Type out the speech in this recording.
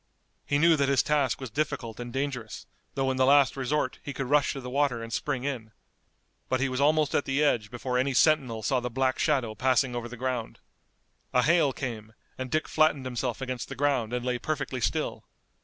He knew that his task was difficult and dangerous, though in the last resort he could rush to the water and spring in. But he was almost at the edge before any sentinel saw the black shadow passing over the ground. A hail came, and Dick flattened himself against the ground and lay perfectly still.